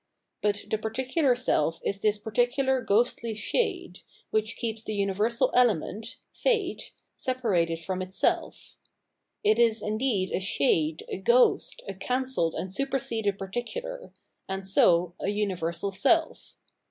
But the particular self is this particular ghostly shade, which keeps the universal element. Fate, separated from itself. It is indeed a shade, a ghost, a cancelled and superseded particular, and so a universal self.